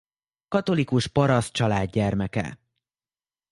Katolikus parasztcsalád gyermeke.